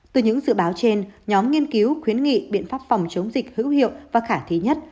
từ những dự báo trên nhóm nghiên cứu khuyến nghị biện pháp phòng chống dịch hữu hiệu và khả thi nhất